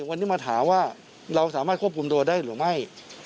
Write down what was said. วันนี้มาถามว่าเราสามารถควบคุมตัวได้หรือไม่